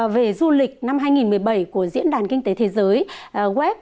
về du lịch năm hai nghìn một mươi bảy của diễn đàn kinh tế thế giới web